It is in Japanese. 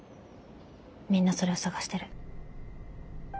みんなそれを探してる。